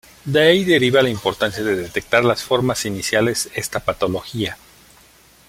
De ahí deriva la importancia de detectar las formas iniciales esta patología.